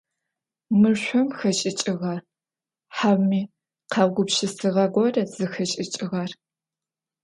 Мыр шъом хэшӏыкӏыгъа, хьауми къэугупшысыгъэ гора зыхэшӏыкӏыгъэр?